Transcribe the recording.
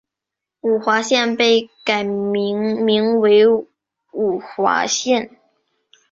五华县被改名名为五华县。